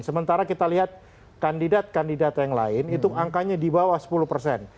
sementara kita lihat kandidat kandidat yang lain itu angkanya di bawah sepuluh persen